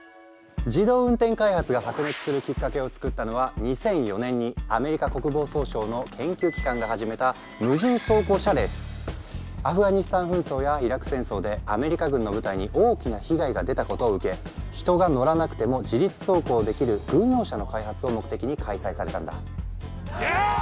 自動運転開発が白熱するきっかけを作ったのは２００４年にアメリカ国防総省の研究機関が始めたアフガニスタン紛争やイラク戦争でアメリカ軍の部隊に大きな被害が出たことを受け人が乗らなくても自律走行できる軍用車の開発を目的に開催されたんだ。